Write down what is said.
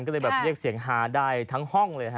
ก็เลยแบบเรียกเสียงฮาได้ทั้งห้องเลยฮะ